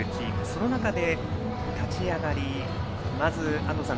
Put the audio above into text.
その中で立ち上がり、安藤さん